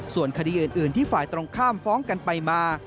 ส่วนคดีอื่นที่ฝ่ายตรงข้ามฟ้องกันไปมา